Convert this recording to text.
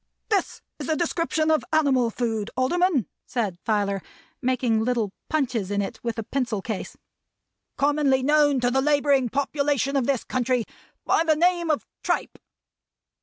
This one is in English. "This is a description of animal food, Alderman," said Filer, making little punches in it with a pencil case, "commonly known to the laboring population of this country by the name of tripe."